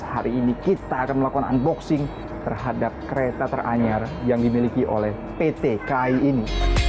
hari ini kita akan melakukan unboxing terhadap kereta teranyar yang dimiliki oleh pt ki ini